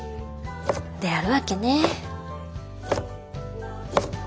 であるわけねぇ。